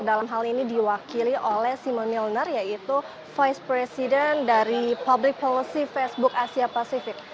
dalam hal ini diwakili oleh sima milner yaitu vice president dari public policy facebook asia pasifik